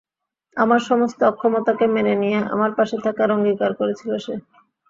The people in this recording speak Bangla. আমার সমস্ত অক্ষমতাকে মেনে নিয়ে আমার পাশে থাকার অঙ্গীকার করেছিল সে।